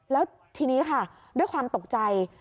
แล้วทีนี้ค่ะด้วยความตกใจ